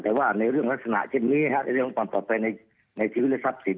แต่ในเรื่องลักษณะเช่นมันนนี่ครับในเรื่องต้อน